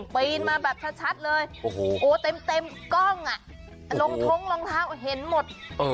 ปีนมาแบบชัดเลยโอ้โหเต็มกล้องอ่ะลงท้องรองเท้าเห็นหมด